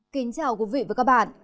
kính chào quý vị và các bạn